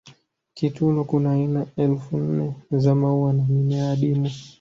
kitulo Kuna aina elfu nne za maua na mimea adimu